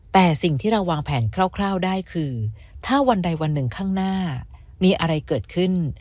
แต่สิ่งที่เราวางแผนคร่าวได้คือถ้าวันใดวันหนึ่งข้างหน้ามีอะไรเกิดขึ้น